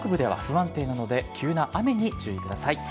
ただ、北部では不安定なので急な雨に注意ください。